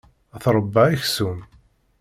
Tṛebba aksum.